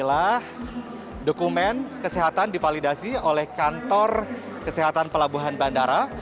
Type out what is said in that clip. inilah dokumen kesehatan divalidasi oleh kantor kesehatan pelabuhan bandara